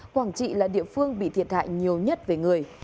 quảng trị là địa phương bị thiệt hại nhiều nhất về người